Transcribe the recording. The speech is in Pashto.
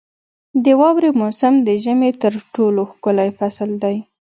• د واورې موسم د ژمي تر ټولو ښکلی فصل دی.